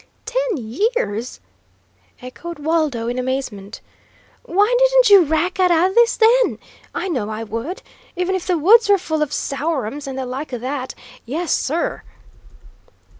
"Ten years!" echoed Waldo, in amazement. "Why didn't you rack out o' this, then? I know I would; even if the woods were full of 'sour us' and the like o' that! Yes, SIR!"